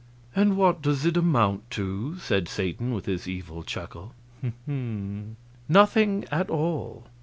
"And what does it amount to?" said Satan, with his evil chuckle. "Nothing at all.